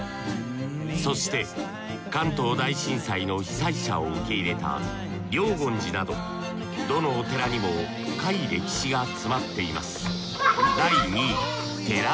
そして関東大震災の被災者を受け入れた了寺などどのお寺にも深い歴史が詰まっています